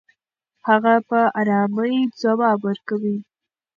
هغه په ارامۍ ځواب ورکوي.